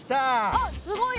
あっすごいよ。